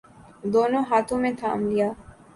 دونوں ہاتھوں میں تھام لیا۔